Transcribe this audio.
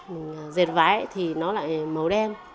mình dệt vải thì nó lại màu đen